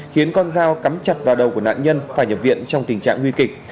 khiến con dao cắm chặt vào đầu của nạn nhân phải nhập viện trong tình trạng nguy kịch